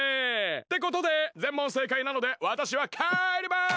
ってことで全問正解なのでわたしはかえります！